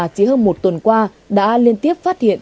chỉ hơn một tuần qua đã liên tiếp phát hiện